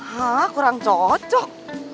hah kurang cocok